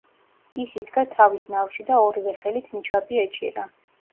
ის იდგა თავის ნავში და ორივე ხელით ნიჩაბი ეჭირა.